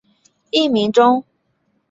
艺名中。